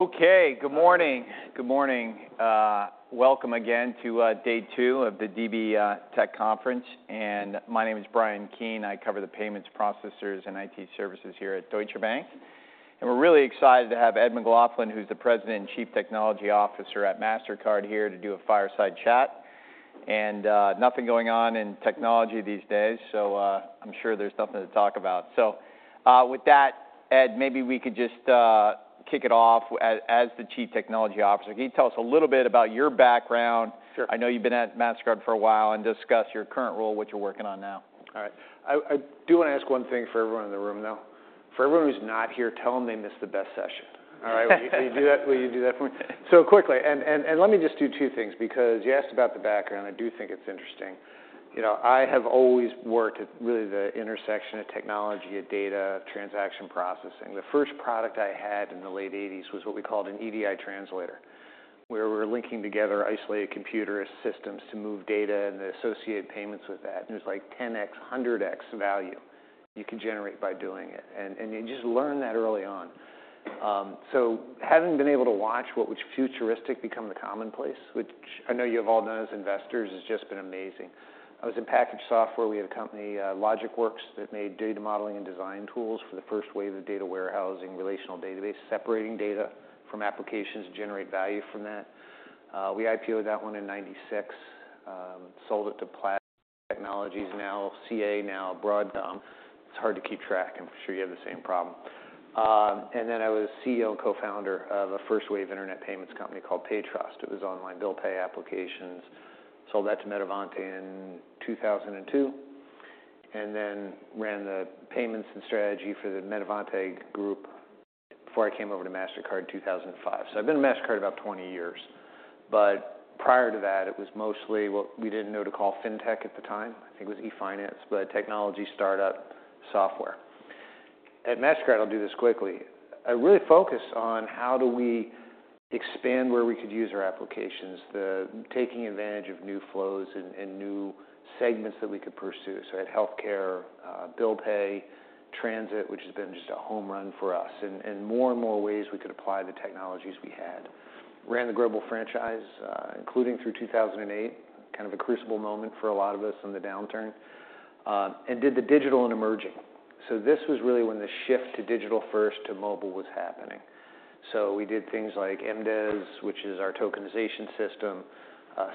Okay, good morning. Good morning. Welcome again to day two of the DB Tech Conference. My name is Bryan Keane. I cover the payments, processors, and IT services here at Deutsche Bank. We're really excited to have Ed McLaughlin, who's the President and Chief Technology Officer at Mastercard, here to do a fireside chat. Nothing going on in technology these days, so I'm sure there's something to talk about. With that, Ed, maybe we could just kick it off. As the Chief Technology Officer, can you tell us a little bit about your background? Sure. I know you've been at Mastercard for a while, and discuss your current role, what you're working on now? All right. I do want to ask one thing for everyone in the room, though. For everyone who's not here, tell them they missed the best session. All right? Will you do that, will you do that for me? So, quickly, and let me just do two things, because you asked about the background. I do think it's interesting. You know, I have always worked at really the intersection of technology and data, transaction processing. The first product I had in the late 1980s was what we called an EDI translator, where we were linking together isolated computer systems to move data and the associated payments with that. And there's, like, 10X, 100X value you can generate by doing it, and you just learn that early on. So having been able to watch what was futuristic become the commonplace, which I know you have all done as investors, has just been amazing. I was in packaged software. We had a company, Logic Works, that made data modeling and design tools for the first wave of data warehousing, relational database, separating data from applications to generate value from that. We IPO'd that one in 1996, sold it to Platinum Technology, now CA, now Broadcom. It's hard to keep track, I'm sure you have the same problem. And then I was CEO and cofounder of a first-wave internet payments company called Paytrust. It was online bill pay applications. Sold that to Metavante in 2002, and then ran the payments and strategy for the Metavante group before I came over to Mastercard in 2005. I've been at Mastercard about 20 years, but prior to that, it was mostly what we didn't know to call fintech at the time. I think it was e-finance, but technology startup software. At Mastercard, I'll do this quickly. I really focused on how do we expand where we could use our applications, taking advantage of new flows and new segments that we could pursue. I had healthcare, bill pay, transit, which has been just a home run for us, and more and more ways we could apply the technologies we had. Ran the global franchise, including through 2008, kind of a crucible moment for a lot of us in the downturn, and did the digital and emerging. This was really when the shift to digital first to mobile was happening. So we did things like MDES, which is our tokenization system,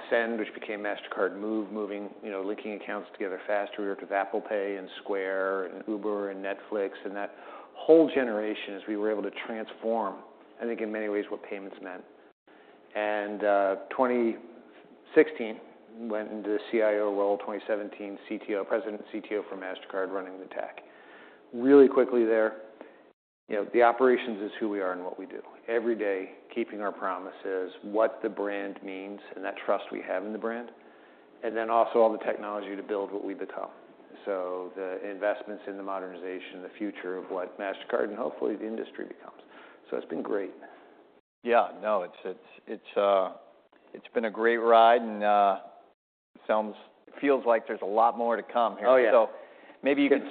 Send, which became Mastercard Move, moving, you know, linking accounts together faster. We worked with Apple Pay and Square and Uber and Netflix and that whole generation as we were able to transform, I think, in many ways, what payments meant. And twenty sixteen, went into the CIO role, twenty seventeen, CTO, President and CTO for Mastercard, running the tech. Really quickly there, you know, the operations is who we are and what we do every day, keeping our promises, what the brand means, and that trust we have in the brand, and then also all the technology to build what we become. So the investments in the modernization, the future of what Mastercard and hopefully the industry becomes. So it's been great. Yeah, no, it's been a great ride, and it sounds, feels like there's a lot more to come here. Oh, yeah. So maybe you could- Getting started. Yeah. Maybe you could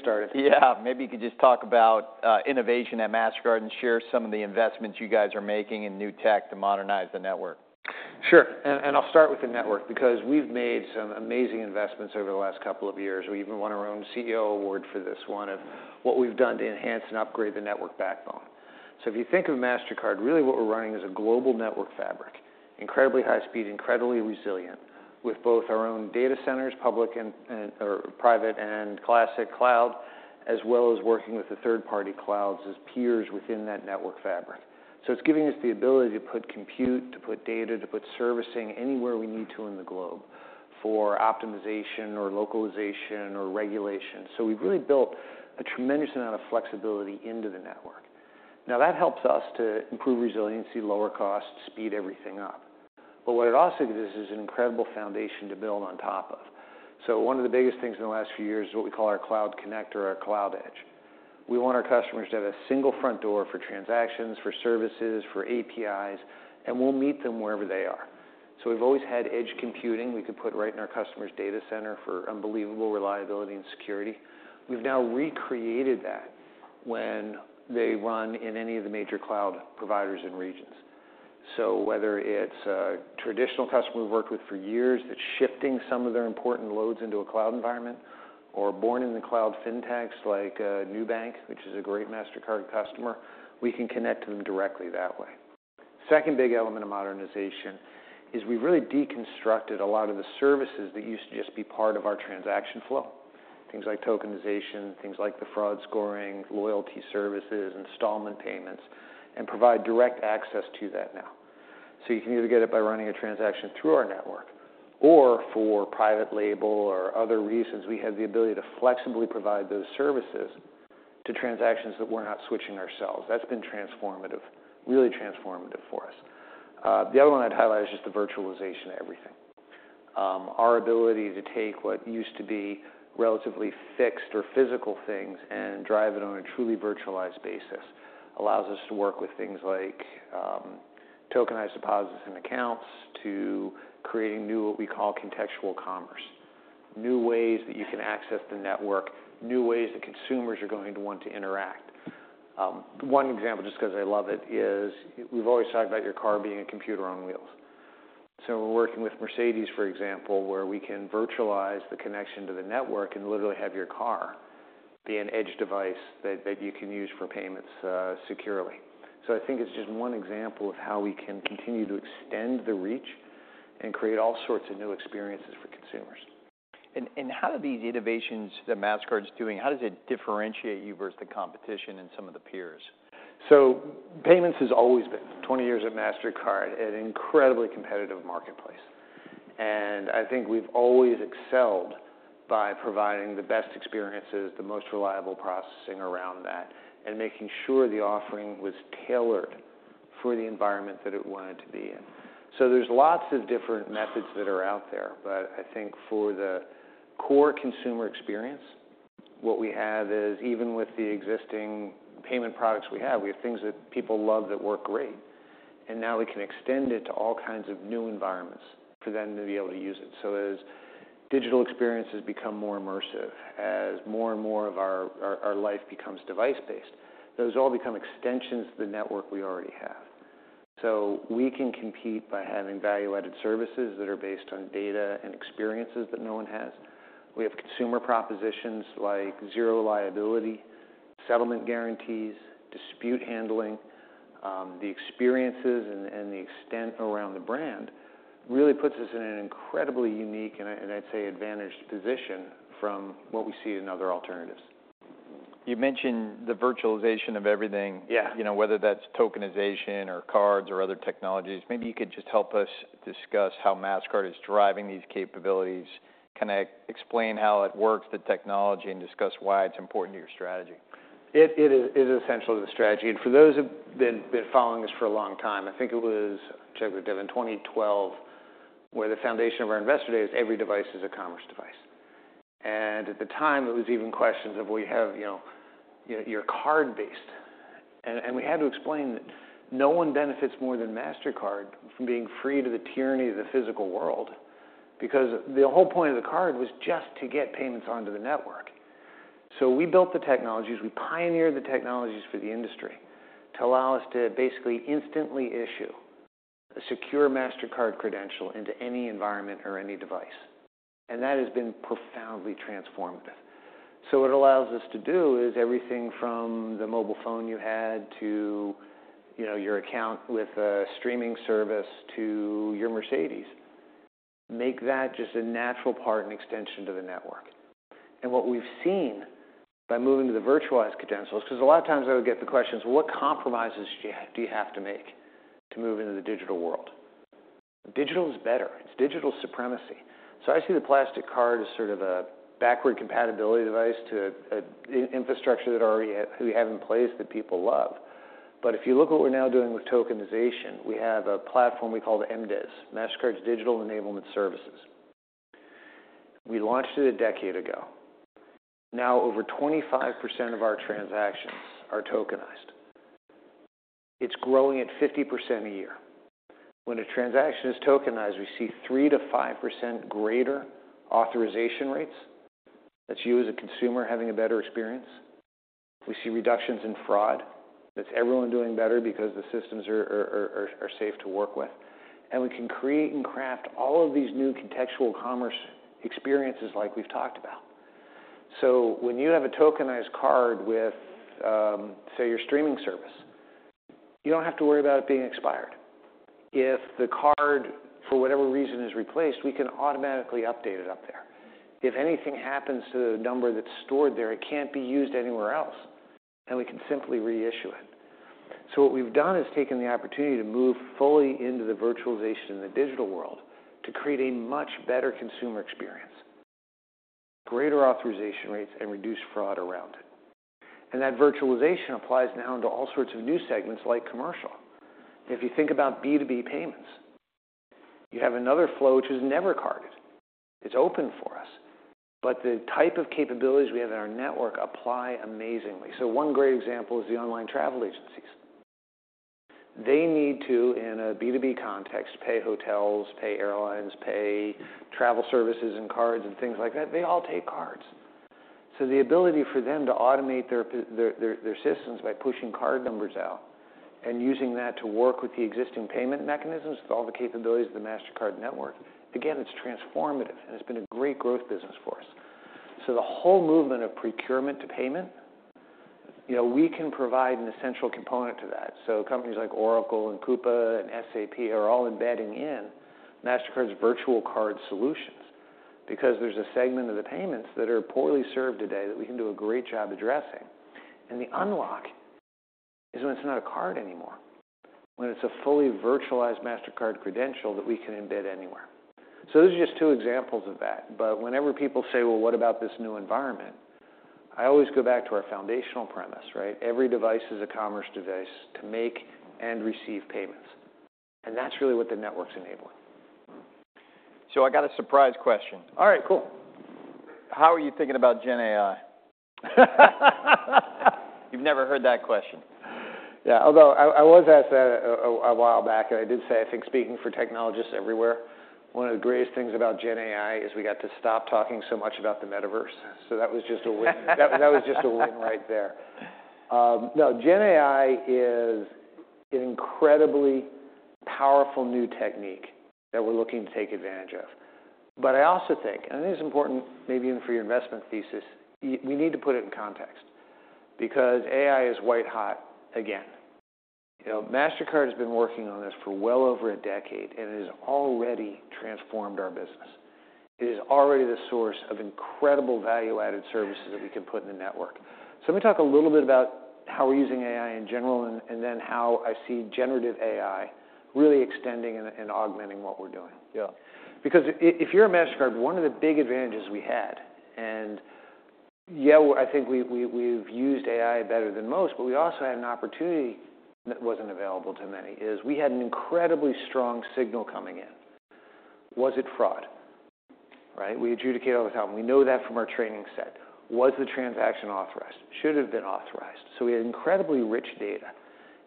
just talk about innovation at Mastercard and share some of the investments you guys are making in new tech to modernize the network? Sure, and I'll start with the network, because we've made some amazing investments over the last couple of years. We even won our own CEO award for this one, of what we've done to enhance and upgrade the network backbone. So if you think of Mastercard, really what we're running is a global network fabric, incredibly high speed, incredibly resilient, with both our own data centers, public and or private and classic cloud, as well as working with the third-party clouds as peers within that network fabric. So it's giving us the ability to put compute, to put data, to put servicing anywhere we need to in the globe for optimization or localization or regulation. So we've really built a tremendous amount of flexibility into the network. Now, that helps us to improve resiliency, lower costs, speed everything up. But what it also gives us is an incredible foundation to build on top of. So one of the biggest things in the last few years is what we call our Cloud Connector or our Cloud Edge. We want our customers to have a single front door for transactions, for services, for APIs, and we'll meet them wherever they are. So we've always had edge computing we could put right in our customer's data center for unbelievable reliability and security. We've now recreated that when they run in any of the major cloud providers and regions. So whether it's a traditional customer we've worked with for years that's shifting some of their important loads into a cloud environment or born in the cloud fintechs like, Nubank, which is a great Mastercard customer, we can connect to them directly that way. Second big element of modernization is we've really deconstructed a lot of the services that used to just be part of our transaction flow, things like tokenization, things like the fraud scoring, loyalty services, installment payments, and provide direct access to that now. So you can either get it by running a transaction through our network or, for private label or other reasons, we have the ability to flexibly provide those services to transactions that we're not switching ourselves. That's been transformative, really transformative for us. The other one I'd highlight is just the virtualization of everything. Our ability to take what used to be relatively fixed or physical things and drive it on a truly virtualized basis allows us to work with things like tokenized deposits and accounts, to creating new, what we call contextual commerce... new ways that you can access the network, new ways that consumers are going to want to interact. One example, just because I love it, is we've always talked about your car being a computer on wheels. So we're working with Mercedes, for example, where we can virtualize the connection to the network and literally have your car be an edge device that you can use for payments, securely. So I think it's just one example of how we can continue to extend the reach and create all sorts of new experiences for consumers. How do these innovations that Mastercard's doing, how does it differentiate you versus the competition and some of the peers? So payments has always been, 20 years at Mastercard, an incredibly competitive marketplace. And I think we've always excelled by providing the best experiences, the most reliable processing around that, and making sure the offering was tailored for the environment that it wanted to be in. So there's lots of different methods that are out there, but I think for the core consumer experience, what we have is even with the existing payment products we have, we have things that people love, that work great, and now we can extend it to all kinds of new environments for them to be able to use it. So as digital experiences become more immersive, as more and more of our life becomes device-based, those all become extensions of the network we already have. So we can compete by having value-added services that are based on data and experiences that no one has. We have consumer propositions like Zero Liability, settlement guarantees, dispute handling. The experiences and the extent around the brand really puts us in an incredibly unique and I'd say, advantaged position from what we see in other alternatives. You mentioned the virtualization of everything. Yeah. You know, whether that's tokenization or cards or other technologies. Maybe you could just help us discuss how Mastercard is driving these capabilities, explain how it works, the technology, and discuss why it's important to your strategy. It is essential to the strategy. For those who've been following this for a long time, I think it was, check with Devin, 2012, where the foundation of our investor day is every device is a commerce device. At the time, it was even questions of we have, you know, you're card-based. And we had to explain that no one benefits more than Mastercard from being free to the tyranny of the physical world, because the whole point of the card was just to get payments onto the network. So we built the technologies, we pioneered the technologies for the industry to allow us to basically instantly issue a secure Mastercard credential into any environment or any device. And that has been profoundly transformative. So what it allows us to do is everything from the mobile phone you had to, you know, your account with a streaming service, to your Mercedes-Benz, make that just a natural part and extension to the network. And what we've seen by moving to the virtualized credentials, because a lot of times I would get the questions: "Well, what compromises do you have to make to move into the digital world?" Digital is better. It's digital supremacy. So I see the plastic card as sort of a backward compatibility device to an infrastructure that already we have in place that people love. But if you look at what we're now doing with tokenization, we have a platform we call the MDES, Mastercard's Digital Enablement Services. We launched it a decade ago. Now, over 25% of our transactions are tokenized. It's growing at 50% a year. When a transaction is tokenized, we see 3%-5% greater authorization rates. That's you as a consumer having a better experience. We see reductions in fraud. That's everyone doing better because the systems are safe to work with, and we can create and craft all of these new contextual commerce experiences like we've talked about. So when you have a tokenized card with, say, your streaming service, you don't have to worry about it being expired. If the card, for whatever reason, is replaced, we can automatically update it up there. If anything happens to the number that's stored there, it can't be used anywhere else, and we can simply reissue it. So what we've done is taken the opportunity to move fully into the virtualization and the digital world to create a much better consumer experience, greater authorization rates, and reduce fraud around it. And that virtualization applies now to all sorts of new segments, like commercial. If you think about B2B payments, you have another flow which is never carded. It's open for us, but the type of capabilities we have in our network apply amazingly. So one great example is the online travel agencies. They need to, in a B2B context, pay hotels, pay airlines, pay travel services and cards, and things like that. They all take cards. So the ability for them to automate their systems by pushing card numbers out and using that to work with the existing payment mechanisms, with all the capabilities of the Mastercard network, again, it's transformative, and it's been a great growth business for us. So the whole movement of procurement to payment, you know, we can provide an essential component to that. So companies like Oracle and Coupa and SAP are all embedding in Mastercard's virtual card solutions because there's a segment of the payments that are poorly served today that we can do a great job addressing. And the unlock is when it's not a card anymore, when it's a fully virtualized Mastercard credential that we can embed anywhere. So those are just two examples of that. But whenever people say, "Well, what about this new environment?" I always go back to our foundational premise, right? Every device is a commerce device to make and receive payments, and that's really what the network's enabling. So I got a surprise question. All right, cool. How are you thinking about Gen AI? You've never heard that question? Yeah, although I was asked that a while back, and I did say, I think speaking for technologists everywhere, one of the greatest things about Gen AI is we got to stop talking so much about the metaverse. So that was just a win. That was just a win right there. No, Gen AI is an incredibly powerful new technique that we're looking to take advantage of. But I also think, and this is important, maybe even for your investment thesis, we need to put it in context because AI is white hot again. You know, Mastercard has been working on this for well over a decade, and it has already transformed our business. It is already the source of incredible value-added services that we can put in the network. So let me talk a little bit about how we're using AI in general, and then how I see generative AI really extending and augmenting what we're doing. Yeah. Because if you're a Mastercard, one of the big advantages we had, and, yeah, I think we've used AI better than most, but we also had an opportunity that wasn't available to many, is we had an incredibly strong signal coming in. Was it fraud, right? We adjudicate all the time. We know that from our training set. Was the transaction authorized? Should it have been authorized? So we had incredibly rich data,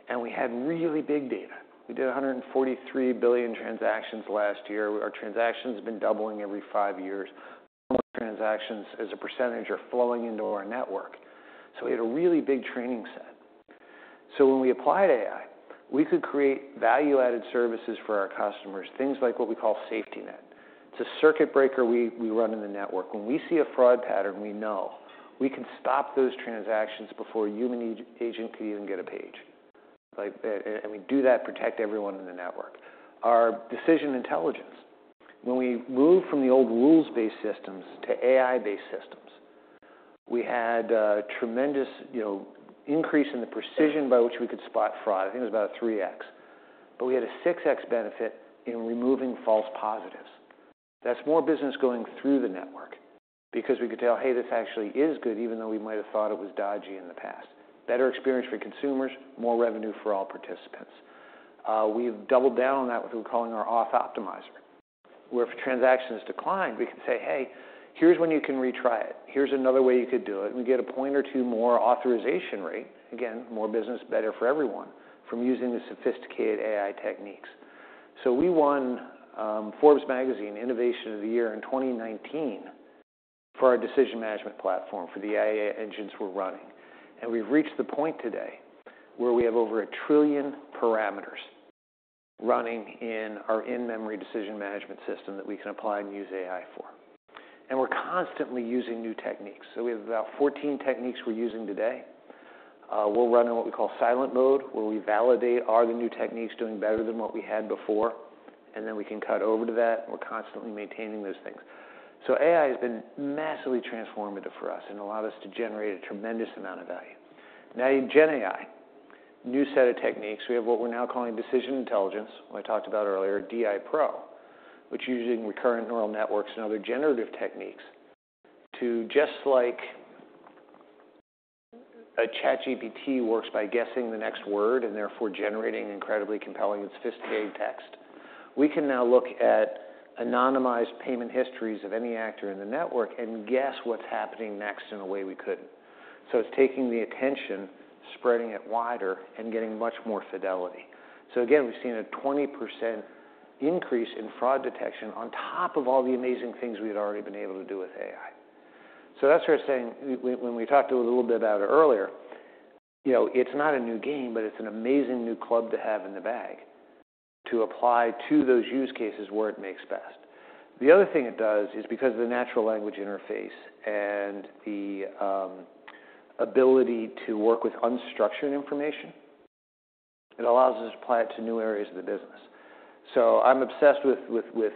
and we had really big data. We did 143 billion transactions last year. Our transactions have been doubling every five years. Transactions, as a percentage, are flowing into our network. So we had a really big training set. So when we applied AI, we could create value-added services for our customers, things like what we call Safety Net. It's a circuit breaker we run in the network. When we see a fraud pattern, we know we can stop those transactions before a human agent can even get a page. Like, and we do that, protect everyone in the network. Our Decision Intelligence, when we moved from the old rules-based systems to AI-based systems, we had tremendous, you know, increase in the precision by which we could spot fraud. I think it was about a three X. But we had a six X benefit in removing false positives. That's more business going through the network because we could tell, "Hey, this actually is good," even though we might have thought it was dodgy in the past. Better experience for consumers, more revenue for all participants. We've doubled down on that, what we're calling our Auth Optimizer, where if a transaction is declined, we can say, "Hey, here's when you can retry it. Here's another way you could do it," and we get a point or two more authorization rate. Again, more business, better for everyone from using the sophisticated AI techniques. So we won Forbes Magazine Innovation of the Year in 2019 for our decision management platform, for the AI engines we're running. And we've reached the point today where we have over a trillion parameters running in our in-memory decision management system that we can apply and use AI for. And we're constantly using new techniques. So we have about 14 techniques we're using today. We'll run in what we call silent mode, where we validate, are the new techniques doing better than what we had before? And then we can cut over to that. We're constantly maintaining those things. So AI has been massively transformative for us and allowed us to generate a tremendous amount of value. Now, in Gen AI, new set of techniques, we have what we're now calling Decision Intelligence, what I talked about earlier, DI Pro, which is using recurrent neural networks and other generative techniques to just like a ChatGPT works by guessing the next word and therefore generating incredibly compelling and sophisticated text. We can now look at anonymized payment histories of any actor in the network and guess what's happening next in a way we couldn't. So it's taking the attention, spreading it wider, and getting much more fidelity. So again, we've seen a 20% increase in fraud detection on top of all the amazing things we had already been able to do with AI. So that's where I was saying when we talked a little bit about it earlier, you know, it's not a new game, but it's an amazing new club to have in the bag to apply to those use cases where it makes best. The other thing it does is because of the natural language interface and the ability to work with unstructured information, it allows us to apply it to new areas of the business. So I'm obsessed with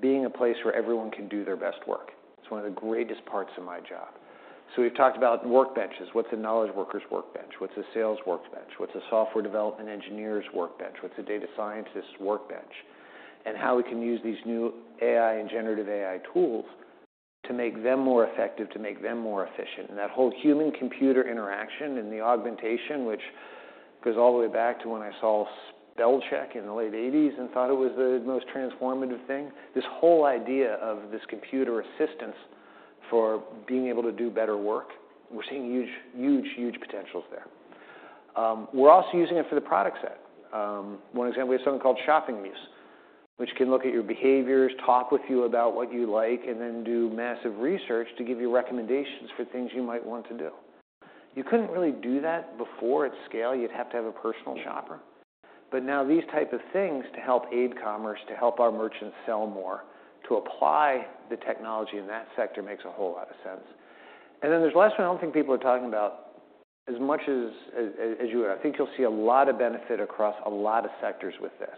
being a place where everyone can do their best work. It's one of the greatest parts of my job. So we've talked about workbenches. What's a knowledge worker's workbench? What's a sales workbench? What's a software development engineer's workbench? What's a data scientist's workbench? And how we can use these new AI and generative AI tools to make them more effective, to make them more efficient. And that whole human-computer interaction and the augmentation, which goes all the way back to when I saw spell check in the late eighties and thought it was the most transformative thing. This whole idea of this computer assistance for being able to do better work, we're seeing huge, huge, huge potentials there. We're also using it for the product set. One example, we have something called Shopping Muse, which can look at your behaviors, talk with you about what you like, and then do massive research to give you recommendations for things you might want to do. You couldn't really do that before at scale. You'd have to have a personal shopper. But now these type of things to help aid commerce, to help our merchants sell more, to apply the technology in that sector makes a whole lot of sense. And then there's last one I don't think people are talking about as much as you would. I think you'll see a lot of benefit across a lot of sectors with this,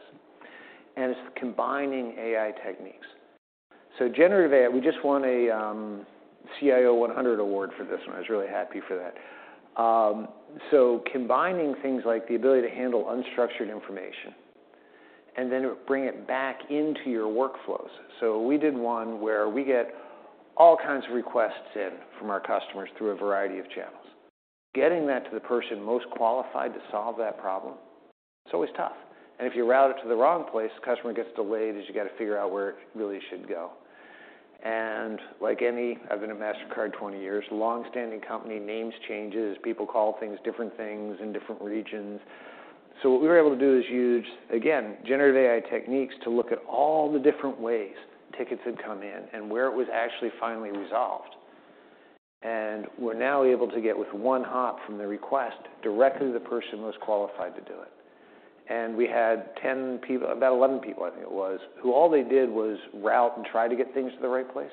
and it's combining AI techniques. So generative AI, we just won a CIO 100 award for this one. I was really happy for that. So combining things like the ability to handle unstructured information and then bring it back into your workflows. So we did one where we get all kinds of requests in from our customers through a variety of channels. Getting that to the person most qualified to solve that problem. It's always tough, and if you route it to the wrong place, the customer gets delayed, as you got to figure out where it really should go. And, like any longstanding company, I've been at Mastercard 20 years. Name changes. People call things different things in different regions. So, what we were able to do is use, again, generative AI techniques to look at all the different ways tickets had come in and where it was actually finally resolved. And, we're now able to get, with one hop from the request, directly to the person who was qualified to do it. And, we had 10 people - about 11 people, I think it was, who all they did was route and try to get things to the right place.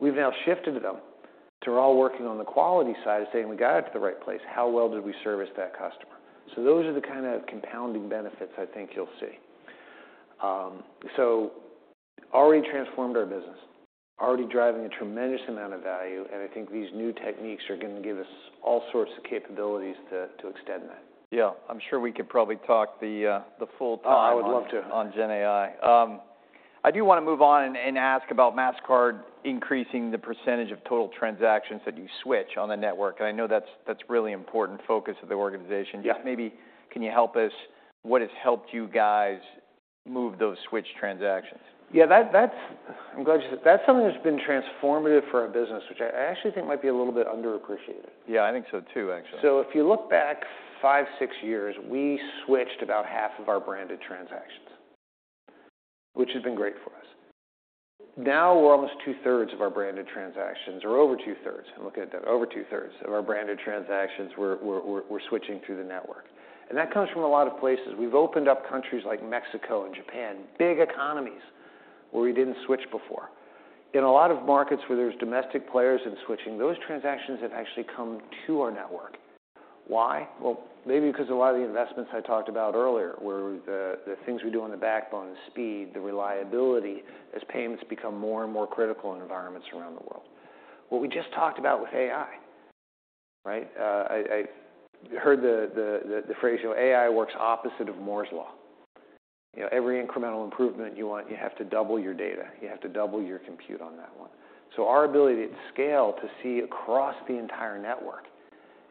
We've now shifted them, so we're all working on the quality side, saying, "We got it to the right place. How well did we service that customer?" So, those are the kind of compounding benefits I think you'll see. So, already transformed our business, already driving a tremendous amount of value, and I think these new techniques are going to give us all sorts of capabilities to extend that. Yeah, I'm sure we could probably talk the full time- I would love to.... on gen AI. I do want to move on and ask about Mastercard increasing the percentage of total transactions that you switch on the network, and I know that's really important focus of the organization. Yeah. Maybe can you help us? What has helped you guys move those switch transactions? Yeah, that's... I'm glad you said. That's something that's been transformative for our business, which I actually think might be a little bit underappreciated. Yeah, I think so too, actually. So if you look back five, six years, we switched about half of our branded transactions, which has been great for us. Now, we're almost two-thirds of our branded transactions or over two-thirds. I'm looking at that, over two-thirds of our branded transactions we're switching through the network, and that comes from a lot of places. We've opened up countries like Mexico and Japan, big economies where we didn't switch before. In a lot of markets where there's domestic players in switching, those transactions have actually come to our network. Why? Well, maybe because a lot of the investments I talked about earlier, where the things we do on the backbone, the speed, the reliability, as payments become more and more critical in environments around the world. What we just talked about with AI, right? I heard the phrase, "AI works opposite of Moore's Law." You know, every incremental improvement you want, you have to double your data, you have to double your compute on that one. So our ability to scale, to see across the entire network,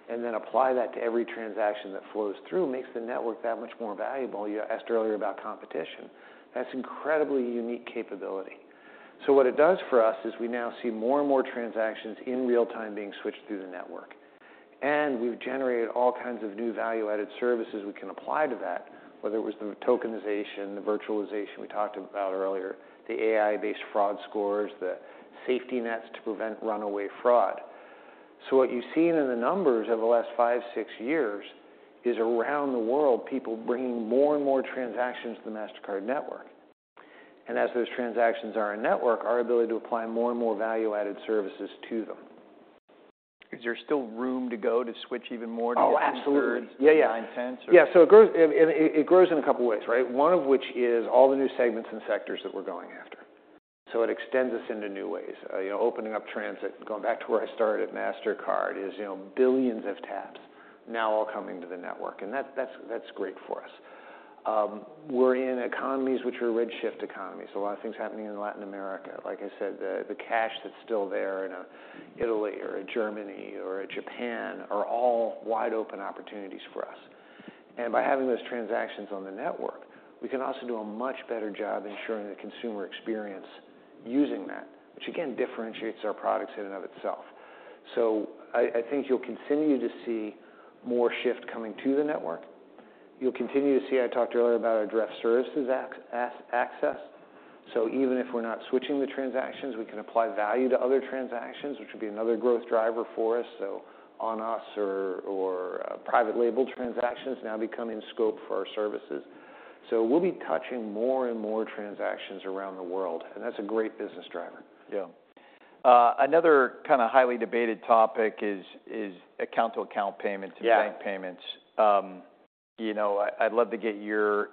and then apply that to every transaction that flows through, makes the network that much more valuable. You asked earlier about competition. That's incredibly unique capability. So what it does for us is we now see more and more transactions in real time being switched through the network. And we've generated all kinds of new value-added services we can apply to that, whether it was the tokenization, the virtualization we talked about earlier, the AI-based fraud scores, the safety nets to prevent runaway fraud. So what you've seen in the numbers over the last five, six years, is around the world, people bringing more and more transactions to the Mastercard network. And as those transactions are in-network, our ability to apply more and more value-added services to them. Is there still room to go to switch even more to- Oh, absolutely! Two-thirds- Yeah, yeah. Nine-tenths, or? Yeah, so it grows in a couple of ways, right? One of which is all the new segments and sectors that we're going after. So it extends us into new ways. You know, opening up transit, going back to where I started at Mastercard, is you know, billions of taps now all coming to the network, and that's great for us. We're in economies which are red-hot economies. So a lot of things happening in Latin America. Like I said, the cash that's still there in Italy or in Germany or Japan are all wide-open opportunities for us. And by having those transactions on the network, we can also do a much better job ensuring the consumer experience using that, which again, differentiates our products in and of itself. So I think you'll continue to see more shift coming to the network. You'll continue to see, I talked earlier about our direct services access. So even if we're not switching the transactions, we can apply value to other transactions, which would be another growth driver for us. So on us or private label transactions now become in scope for our services. So we'll be touching more and more transactions around the world, and that's a great business driver. Yeah. Another kinda highly debated topic is account-to-account payments- Yeah... and bank payments. You know, I'd love to get your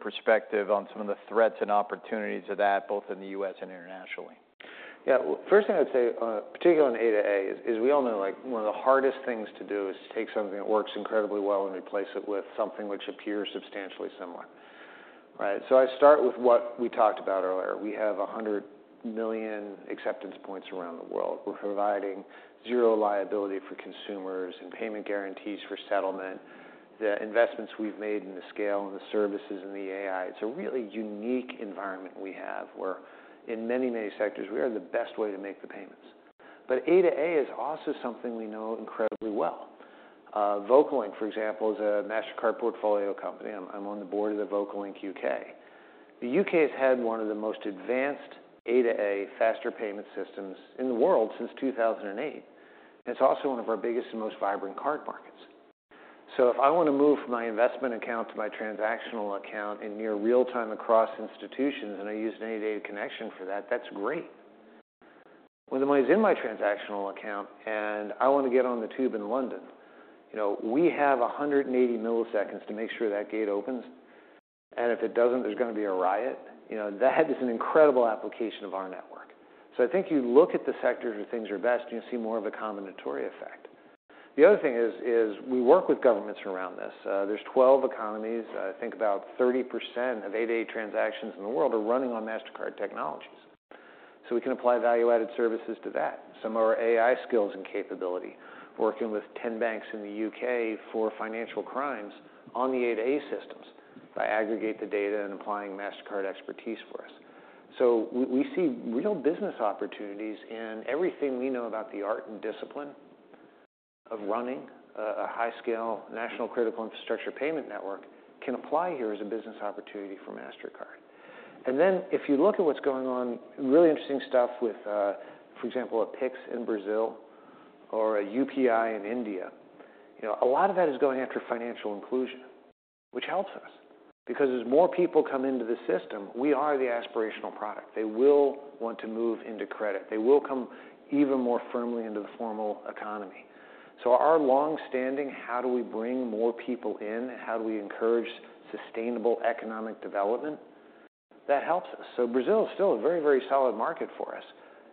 perspective on some of the threats and opportunities of that, both in the U.S. and internationally? Yeah. Well, first thing I'd say, particularly on A2A, is we all know, like one of the hardest things to do is take something that works incredibly well and replace it with something which appears substantially similar, right? So I start with what we talked about earlier. We have 100 million acceptance points around the world. We're providing zero liability for consumers and payment guarantees for settlement. The investments we've made in the scale and the services and the AI, it's a really unique environment we have, where in many, many sectors, we are the best way to make the payments. But A2A is also something we know incredibly well. VocaLink, for example, is a Mastercard portfolio company. I'm on the board of the VocaLink UK. The U.K. has had one of the most advanced A2A faster payment systems in the world since 2008. It's also one of our biggest and most vibrant card markets, so if I want to move my investment account to my transactional account in near real time across institutions, and I use an A2A connection for that, that's great. When the money's in my transactional account, and I want to get on the tube in London, you know, we have 180 milliseconds to make sure that gate opens, and if it doesn't, there's going to be a riot. You know, that is an incredible application of our network, so I think you look at the sectors where things are best, and you see more of a combinatory effect. The other thing is, we work with governments around this. There's twelve economies. I think about 30% of A2A transactions in the world are running on Mastercard technologies... so we can apply value-added services to that. Some are AI skills and capability, working with 10 banks in the UK for financial crimes on the A2A systems, by aggregating the data and applying Mastercard expertise for us. So we see real business opportunities, and everything we know about the art and discipline of running a high-scale national critical infrastructure payment network can apply here as a business opportunity for Mastercard. Then, if you look at what's going on, really interesting stuff with, for example, Pix in Brazil or UPI in India. You know, a lot of that is going after financial inclusion, which helps us, because as more people come into the system, we are the aspirational product. They will want to move into credit. They will come even more firmly into the formal economy. So our long-standing, "How do we bring more people in? How do we encourage sustainable economic development?" That helps us. So Brazil is still a very, very solid market for us.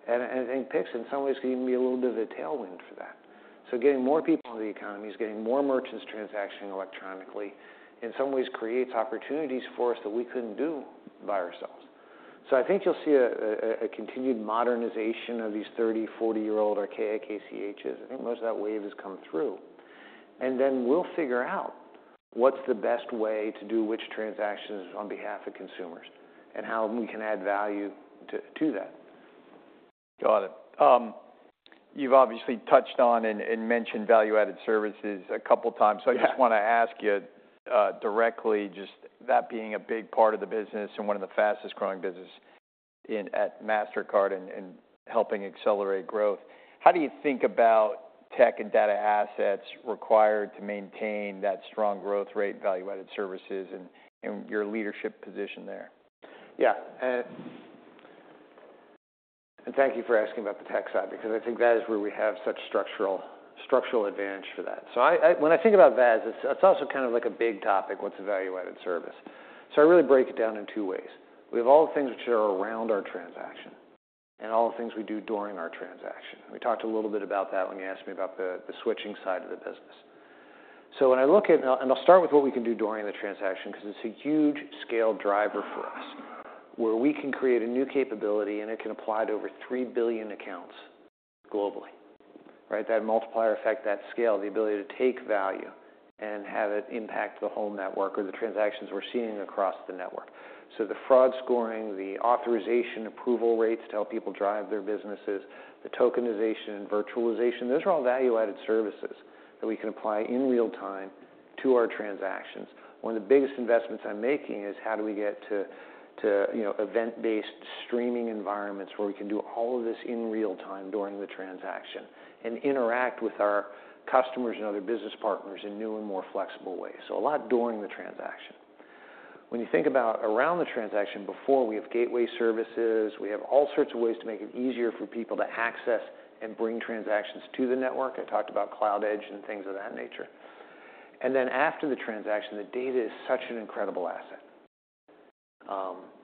And Pix, in some ways, can even be a little bit of a tailwind for that. So getting more people in the economy is getting more merchants transacting electronically. In some ways creates opportunities for us that we couldn't do by ourselves. So I think you'll see a continued modernization of these 30-, 40-year-old archaic ACHs. I think most of that wave has come through. And then we'll figure out what's the best way to do which transactions on behalf of consumers and how we can add value to that. Got it. You've obviously touched on and mentioned value-added services a couple times. Yeah. So I just want to ask you, directly, just that being a big part of the business and one of the fastest-growing businesses in at Mastercard and helping accelerate growth, how do you think about tech and data assets required to maintain that strong growth rate in value-added services and your leadership position there? Yeah, and thank you for asking about the tech side, because I think that is where we have such structural advantage for that. So I when I think about VAS, it's also kind of like a big topic, what's a value-added service? So I really break it down in two ways. We have all the things which are around our transaction and all the things we do during our transaction. We talked a little bit about that when you asked me about the switching side of the business. So when I look at... and I'll start with what we can do during the transaction, because it's a huge scale driver for us, where we can create a new capability, and it can apply to over three billion accounts globally, right? That multiplier effect, that scale, the ability to take value and have it impact the whole network or the transactions we're seeing across the network. So the fraud scoring, the authorization approval rates to help people drive their businesses, the tokenization, virtualization, those are all value-added services that we can apply in real time to our transactions. One of the biggest investments I'm making is how do we get to, you know, event-based streaming environments, where we can do all of this in real time during the transaction and interact with our customers and other business partners in new and more flexible ways? So a lot during the transaction. When you think about around the transaction, before we have gateway services, we have all sorts of ways to make it easier for people to access and bring transactions to the network. I talked about Cloud Edge and things of that nature and then after the transaction, the data is such an incredible asset.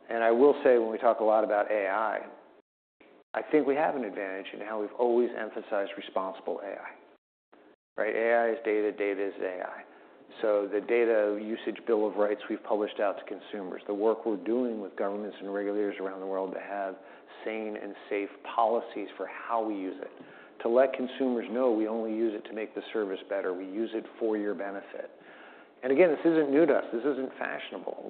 And I will say, when we talk a lot about AI, I think we have an advantage in how we've always emphasized responsible AI, right? AI is data. Data is AI. So the data usage bill of rights we've published out to consumers, the work we're doing with governments and regulators around the world to have sane and safe policies for how we use it, to let consumers know we only use it to make the service better. We use it for your benefit and again, this isn't new to us. This isn't fashionable.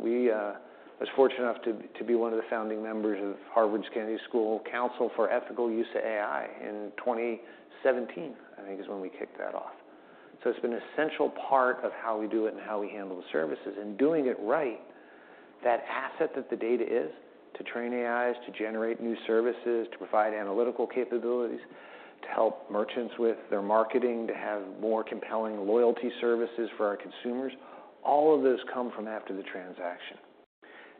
We was fortunate enough to be one of the founding members of Harvard Kennedy School Council for Ethical Use of AI in 2017, I think is when we kicked that off, so it's been an essential part of how we do it and how we handle the services, and doing it right, that asset that the data is, to train AIs, to generate new services, to provide analytical capabilities, to help merchants with their marketing, to have more compelling loyalty services for our consumers, all of those come from after the transaction,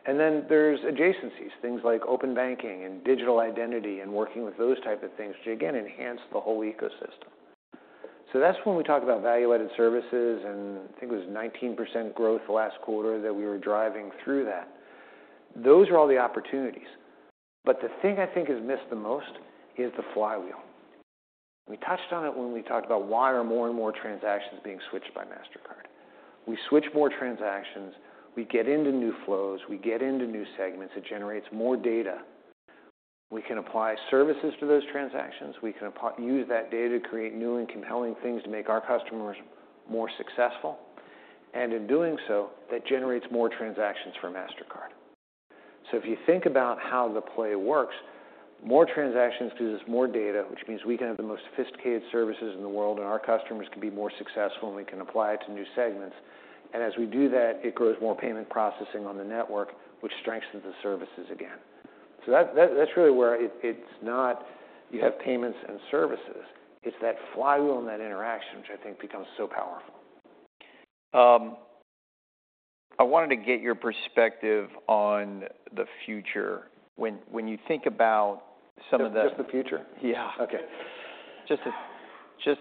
and then there's adjacencies, things like Open Banking and digital identity and working with those type of things, which again, enhance the whole ecosystem, so that's when we talk about value-added services, and I think it was 19% growth last quarter that we were driving through that. Those are all the opportunities. But the thing I think is missed the most is the flywheel. We touched on it when we talked about why are more and more transactions being switched by Mastercard. We switch more transactions, we get into new flows, we get into new segments, it generates more data. We can apply services to those transactions. We can use that data to create new and compelling things to make our customers more successful. And in doing so, that generates more transactions for Mastercard. So if you think about how the play works, more transactions gives us more data, which means we can have the most sophisticated services in the world, and our customers can be more successful, and we can apply it to new segments. And as we do that, it grows more payment processing on the network, which strengthens the services again. So that's really where it's not you have payments and services. It's that flywheel and that interaction, which I think becomes so powerful. I wanted to get your perspective on the future. When you think about some of the- Just the future? Yeah. Okay. Just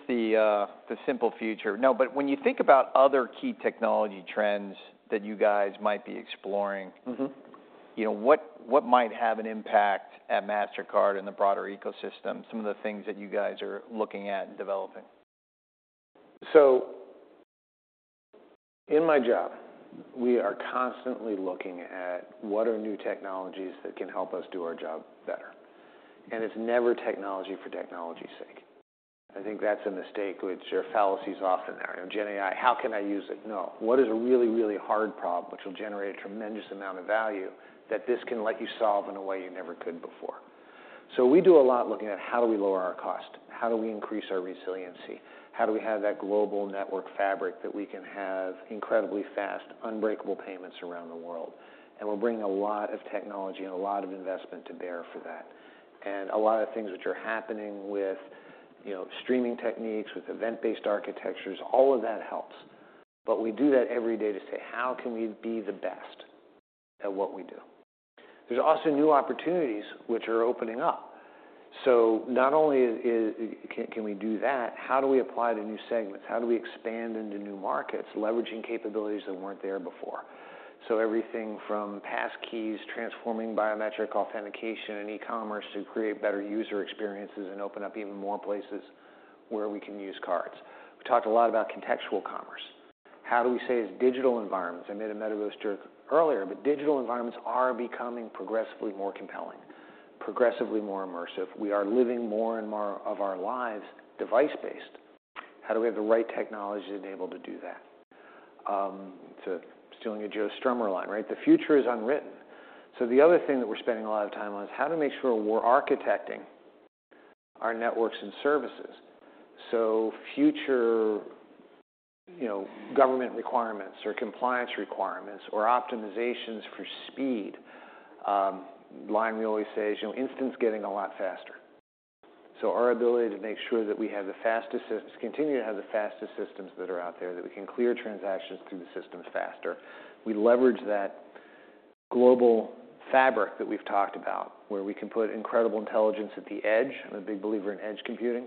the simple future. No, but when you think about other key technology trends that you guys might be exploring- Mm-hmm. You know, what, what might have an impact at Mastercard and the broader ecosystem, some of the things that you guys are looking at and developing? ...In my job, we are constantly looking at what are new technologies that can help us do our job better? And it's never technology for technology's sake. I think that's a mistake, which are fallacies often are. You know, GenAI, how can I use it? No, what is a really, really hard problem which will generate a tremendous amount of value that this can let you solve in a way you never could before? So we do a lot looking at how do we lower our cost, how do we increase our resiliency, how do we have that global network fabric that we can have incredibly fast, unbreakable payments around the world? And we're bringing a lot of technology and a lot of investment to bear for that, and a lot of things which are happening with, you know, streaming techniques, with event-based architectures, all of that helps. But we do that every day to say: How can we be the best at what we do? There's also new opportunities which are opening up. So not only can we do that, how do we apply the new segments? How do we expand into new markets, leveraging capabilities that weren't there before? So everything from passkeys, transforming biometric authentication and e-commerce to create better user experiences and open up even more places where we can use cards. We talked a lot about contextual commerce. How do we say it's digital environments? I made a metaverse joke earlier, but digital environments are becoming progressively more compelling, progressively more immersive. We are living more and more of our lives device-based. How do we have the right technology to enable to do that? To stealing a Joe Strummer line, right? The future is unwritten. So the other thing that we're spending a lot of time on is how to make sure we're architecting our networks and services for future, you know, government requirements or compliance requirements or optimizations for speed. The line we always say is, you know, instances getting a lot faster. So our ability to make sure that we have the fastest systems, continue to have the fastest systems that are out there, that we can clear transactions through the systems faster. We leverage that global fabric that we've talked about, where we can put incredible intelligence at the edge. I'm a big believer in edge computing,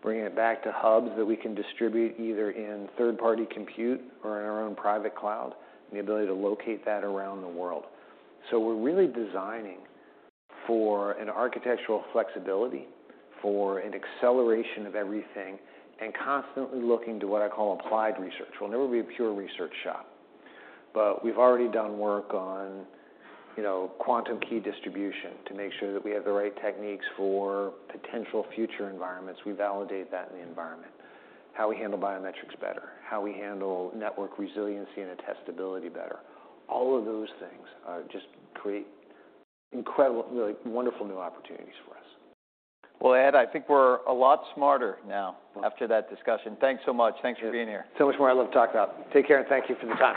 bringing it back to hubs that we can distribute either in third-party compute or in our own private cloud, and the ability to locate that around the world. So we're really designing for an architectural flexibility, for an acceleration of everything, and constantly looking to what I call applied research. We'll never be a pure research shop, but we've already done work on, you know, quantum key distribution to make sure that we have the right techniques for potential future environments. We validate that in the environment, how we handle biometrics better, how we handle network resiliency and attestability better. All of those things just create incredible, really wonderful new opportunities for us. Well, Ed, I think we're a lot smarter now after that discussion. Thanks so much. Thanks for being here. So much more I'd love to talk about. Take care, and thank you for the time.